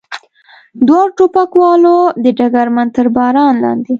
دواړو ټوپکوالو ډګرمن تر باران لاندې.